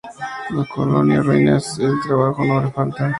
En Colonia, en ruinas, el trabajo no le falta.